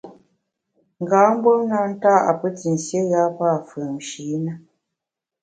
Nga mgbom na nta’ a pe te nsié yùe a pua’ fùepshi na.